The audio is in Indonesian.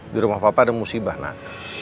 di rumah papa ada musibah nak